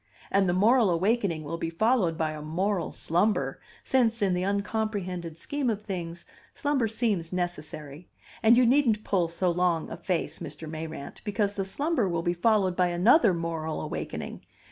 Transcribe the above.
And the moral awakening will be followed by a moral slumber, since, in the uncomprehended scheme of things, slumber seems necessary; and you needn't pull so long a face, Mr. Mayrant, because the slumber will be followed by another moral awakening.